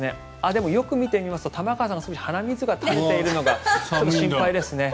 でもよく見てみると、玉川さん少し鼻水が垂れているのが心配ですね。